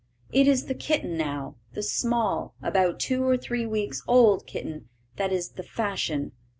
It is the kitten now, the small, about two or three weeks old kitten that is the "fashion."